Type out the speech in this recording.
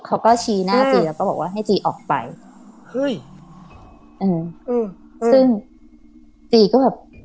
เขาก็ชี้หน้าจีแล้วก็บอกว่าให้จีออกไปเฮ้ยอืมอืมซึ่งจีก็แบบ